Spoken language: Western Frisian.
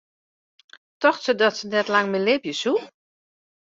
Tocht se dat se net lang mear libje soe?